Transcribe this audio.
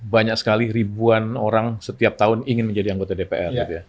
banyak sekali ribuan orang setiap tahun ingin menjadi anggota dpr